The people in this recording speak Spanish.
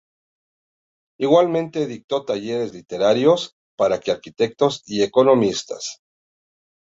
Igualmente dictó talleres literarios para arquitectos y economistas.